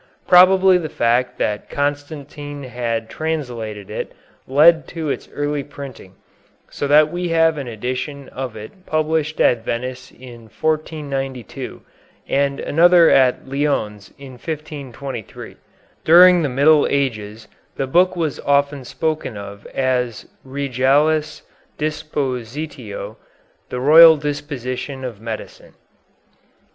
Probably the fact that Constantine had translated it led to its early printing, so that we have an edition of it published at Venice in 1492, and another at Lyons in 1523. During the Middle Ages the book was often spoken of as "Regalis Dispositio," the "Royal Disposition of Medicine."